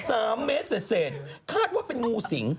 สามเมตรเศษเศษคาดว่าเป็นงูสิง